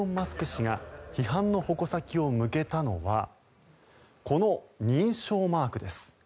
氏が批判の矛先を向けたのはこの認証マークです。